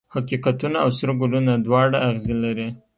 حقیقتونه او سره ګلونه دواړه اغزي لري.